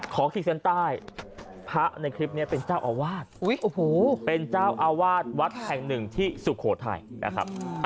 ขีดเส้นใต้พระในคลิปนี้เป็นเจ้าอาวาสเป็นเจ้าอาวาสวัดแห่งหนึ่งที่สุโขทัยนะครับ